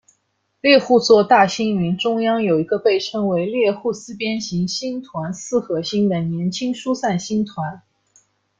猎户座大星云中央有一个被称为猎户四边形星团四合星的年轻疏散星团。